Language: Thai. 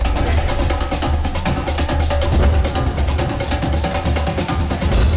ที่จะถูกผลิต